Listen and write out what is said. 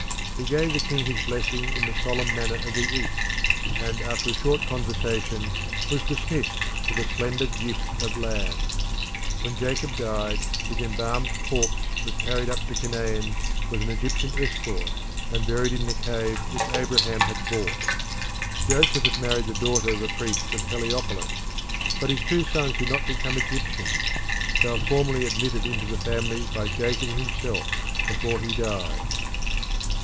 He gave the king his blessing in the solemn manner of the East, and after a short conversation was dismissed with a splendid gift of land. When Jacob died his embalmed corpse was carried up to Canaan with an Egyptian escort and buried in the cave which Abraham had bought. Joseph had married the daughter of a priest of Heliopolis, but his two sons did not become Egyptians; they were formally admitted into the family by Jacob himself before he died.